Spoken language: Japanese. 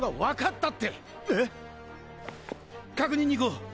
えっ⁉確認に行こう！